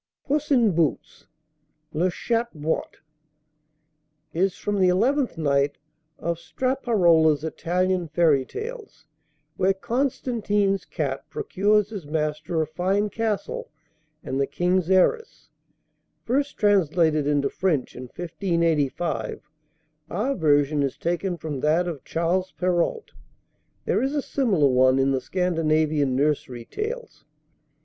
"PUSS IN BOOTS" (Le Chat Botté) Is from the "Eleventh Night" of Straparola's Italian fairy tales, where Constantine's cat procures his master a fine castle and the king's heiress, first translated into French in 1585. Our version is taken from that of Charles Perrault. There is a similar one in the Scandinavian nursery tales.